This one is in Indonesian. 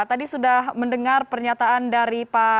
tadi sudah mendengar pernyataan dari pak